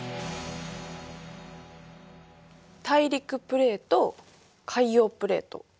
プレート海洋プレート。